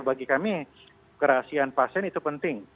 bagi kami kerahasian pasien itu penting